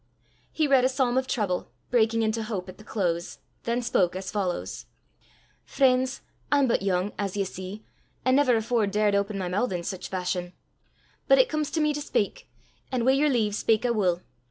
He read a psalm of trouble, breaking into hope at the close, then spoke as follows: "Freens, I'm but yoong, as ye see, an' never afore daured open my moo' i' sic fashion, but it comes to me to speyk, an' wi' yer leave, speyk I wull.